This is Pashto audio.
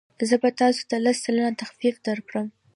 زه به تاسو ته لس سلنه تخفیف درکړم.